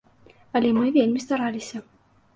Але мы вельмі стараліся.